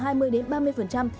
so với thời điểm kích cầu này